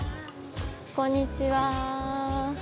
こんにちは。